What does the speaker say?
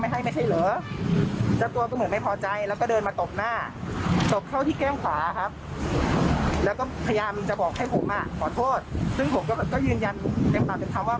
หลังจากนั้นน่ะเขาพยายามจะเดินกลับไป